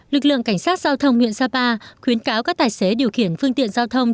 lực lượng cảnh sát giao thông huyện sapa khuyến cáo các tài xế điều khiển phương tiện giao thông